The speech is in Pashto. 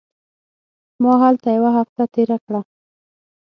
ما هلته یوه هفته تېره کړه.